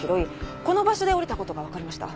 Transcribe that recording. この場所で降りた事がわかりました。